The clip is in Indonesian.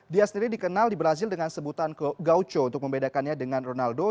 dia sendiri dikenal di brazil dengan sebutan gaucho untuk membedakannya dengan ronaldo